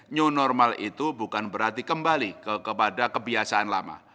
new normal itu bukan berarti kembali kepada kebiasaan lama